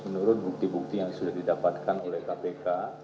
menurut bukti bukti yang sudah didapatkan oleh kpk